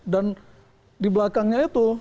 dan di belakangnya itu